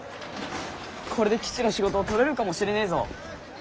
これで基地の仕事をとれるかもしれねえぞ。